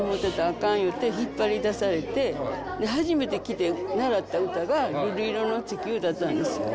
かんいうて引っ張り出されて、初めて来て習った歌が、瑠璃色の地球だったんです。